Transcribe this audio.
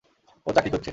ও চাকরি খুঁজছে।